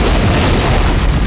tidak ada yang lebih sakti dariku